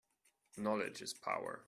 Knowledge is power.